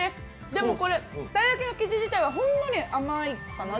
でもたい焼きの生地自体はほんのり甘いかな。